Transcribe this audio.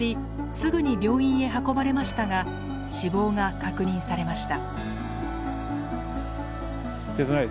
すぐに病院へ運ばれましたが死亡が確認されました。